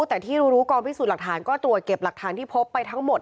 แต่ที่รู้รู้กองพิสูจน์หลักฐานก็ตรวจเก็บหลักฐานที่พบไปทั้งหมด